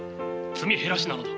積み減らしなのだ。